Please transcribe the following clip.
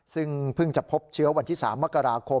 ซึ่งเพิ่งจะพบเชื้อวันที่๓มกราคม